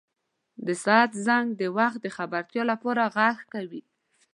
• د ساعت زنګ د وخت د خبرتیا لپاره ږغ کوي.